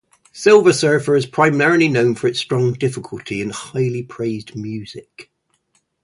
"Silver Surfer" is primarily known for its strong difficulty and highly praised music.